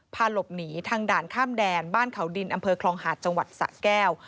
พาหลบหนีทางด่านข้ามแดนบ้านเขาดินอำเภอคลองหาดจังหวัดสะแก้ว